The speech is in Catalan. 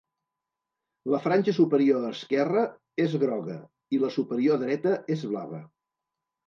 La franja superior esquerra és groga i la superior dreta és blava.